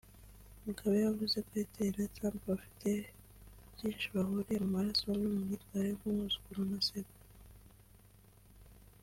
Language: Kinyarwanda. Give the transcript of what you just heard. Mugabe yavuze ko Hitler na Trump bafite byinshi bahuriyeho mu maraso no mu myitwarire nk’umwuzukuru na sekuru